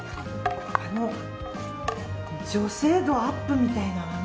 あの女性度アップみたいな。